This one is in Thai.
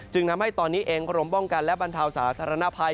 ทำให้ตอนนี้เองกรมป้องกันและบรรเทาสาธารณภัย